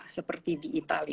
seperti di itali